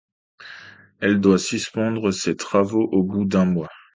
Elle doit suspendre ses travaux au bout d’un mois.